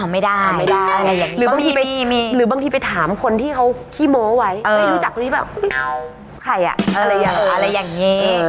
ไม่ได้หรือบางทีไปถามคนที่เค้าขี้โม้ไว้ไม่รู้จักคนที่แบบใครอะอะไรอย่างนี้